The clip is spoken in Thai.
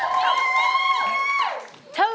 ผมร้องได้ให้ร้อง